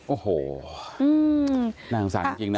โอ้โหน่างสั่งจริงนะ